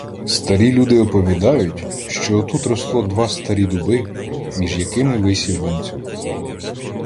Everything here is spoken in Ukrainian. Старі люди оповідають, що отут росло два старі дуби, між якими висів ланцюг.